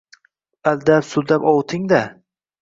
Aldab-suldab ovuting-da.